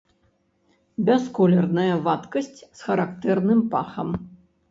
Бясколерная вадкасць з характэрным пахам.